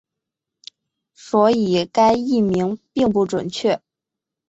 所以该译名并不准确。